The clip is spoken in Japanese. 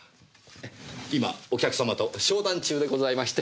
今お客様と商談中でございまして。